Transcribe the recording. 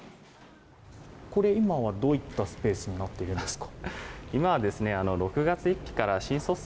今はどういったスペースになっているんですか。